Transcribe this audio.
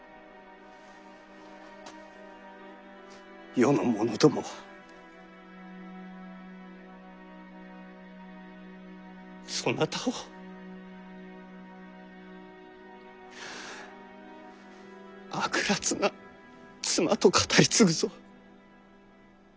世の者どもはそなたを悪辣な妻と語り継ぐぞ。